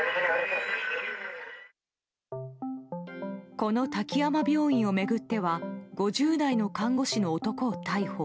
この滝山病院を巡っては５０代の看護師の男を逮捕。